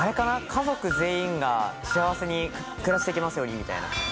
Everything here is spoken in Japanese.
家族全員が幸せに暮らしていけますようにみたいな。